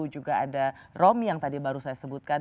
juga ada romi yang tadi baru saya sebutkan